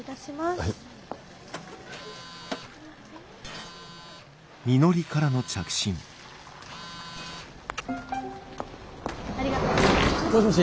ありがとうございます。